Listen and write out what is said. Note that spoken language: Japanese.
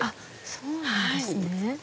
そうなんですね。